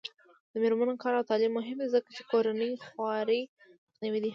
د میرمنو کار او تعلیم مهم دی ځکه چې کورنۍ خوارۍ مخنیوی دی.